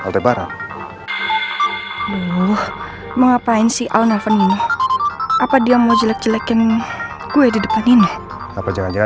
sampai jumpa di video selanjutnya